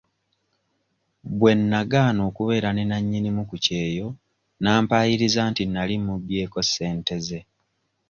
Bwe nagaana okubeera ne nannyimu ku kyeyo n'ampayiriza nti nali mubbyeko ssente ze.